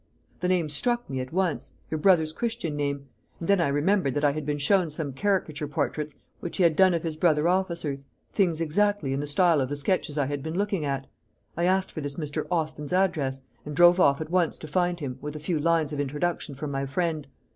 The name struck me at once your brother's Christian name; and then I remembered that I had been shown some caricature portraits which he had done of his brother officers things exactly in the style of the sketches I had been looking at. I asked for this Mr. Austin's address, and drove off at once to find him, with a few lines of introduction from my friend.